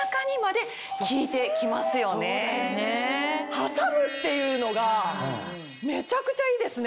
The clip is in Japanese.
挟むっていうのがめちゃくちゃいいですね。